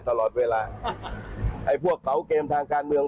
ตลอดเวลาไอ้พวกเสาเกมทางการเมือง